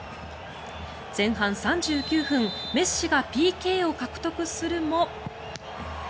前半３９分メッシがＰＫを獲得するも。